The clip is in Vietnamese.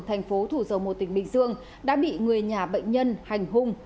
thành phố thủ dầu một tỉnh bình dương đã bị người nhà bệnh nhân hành hung